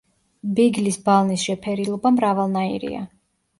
ბიგლის ბალნის შეფერილობა მრავალნაირია.